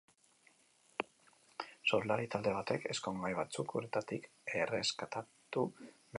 Surflari talde batek ezkongai batzuk uretatik erreskatatu behar izan zituen.